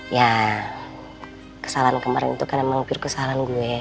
ya kesalahan kemarin itu kan emang hampir kesalahan gue